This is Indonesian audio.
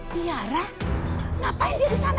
tiara ngapain dia disana